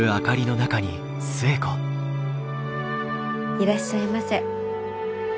いらっしゃいませ。